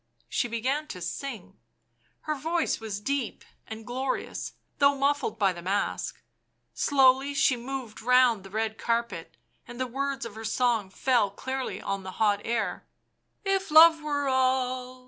She began to sing ; her voice was deep and glorious, though muffled by the mask. Slowly she moved round the red carpet, and the words of her song fell clearly on the hot air. "If Love were all